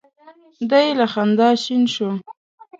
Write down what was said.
دی له خندا شین شو.